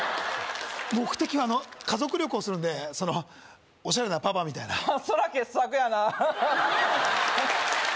目的はあの家族旅行するんでオシャレなパパみたいなそれは傑作やな